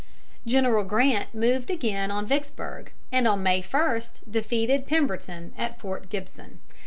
General Grant moved again on Vicksburg, and on May 1, defeated Pemberton at Fort Gibson.